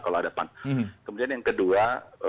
kalau ada pan kemudian yang kedua